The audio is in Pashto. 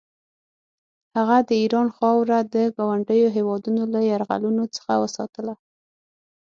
هغه د ایران خاوره د ګاونډیو هېوادونو له یرغلونو څخه وساتله.